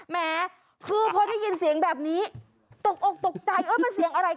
แม้คือพอได้ยินเสียงแบบนี้ตกอกตกใจมันเสียงอะไร